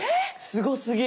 すごすぎ！